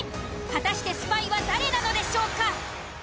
果たしてスパイは誰なのでしょうか？